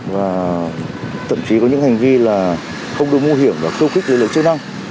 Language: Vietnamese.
và tậm chí có những hành vi là không đổi mũ hiểm và khâu khích lý lực chức năng